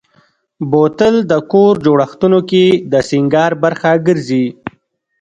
بوتل د کور جوړښتونو کې د سینګار برخه ګرځي.